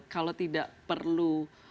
kalau tidak perlu